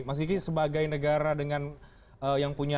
mas yiki sebagai negara dengan yang punya lahan gambut yang cukup besar